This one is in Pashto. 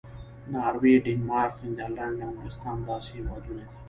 ناروې، ډنمارک، نیدرلینډ او انګلستان داسې هېوادونه دي.